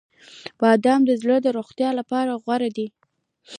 • بادام د زړه د روغتیا لپاره غوره دي.